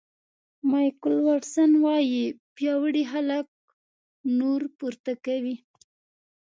مایکل واټسن وایي پیاوړي خلک نور پورته کوي.